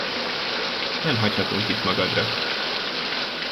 Nem hagyhatunk itt magadra.